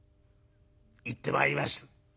行ってまいりました」。